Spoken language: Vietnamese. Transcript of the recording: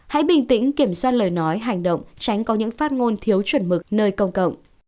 hãy bình tĩnh kiểm soát lời nói hành động tránh có những phát ngôn thiếu chuẩn mực nơi công cộng